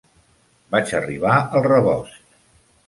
Vaig arribar al rebost.